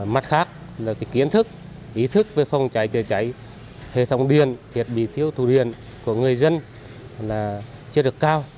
mặt khác là kiến thức ý thức về phòng cháy cháy cháy hệ thống điền thiết bị tiêu thủ điền của người dân chưa được cao